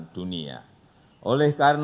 dan dalam hal tersebut